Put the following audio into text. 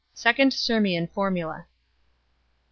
Second Sirmian Formula. c.